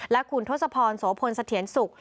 และคุณทศพรโสพลสะเทียนสุข